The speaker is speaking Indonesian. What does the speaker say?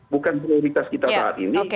bukan prioritas kita saat ini